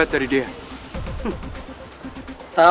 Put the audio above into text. terus kamera nihiasnya kita